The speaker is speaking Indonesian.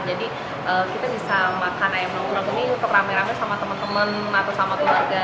kita bisa makan ayam nongkrong ini untuk rame rame sama teman teman atau sama keluarga